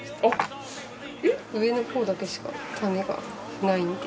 上のほうだけしか種がないんで。